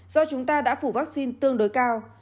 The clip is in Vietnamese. do chúng ta đã phủ vaccine tương đối cao